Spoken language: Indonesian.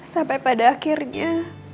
sampai pada akhirnya